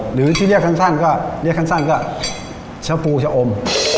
หรือที่เรียกขั้นสั้นก็เรียกขั้นสั้นก็ชะพรูชะอม